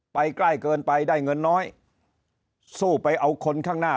ใกล้เกินไปได้เงินน้อยสู้ไปเอาคนข้างหน้า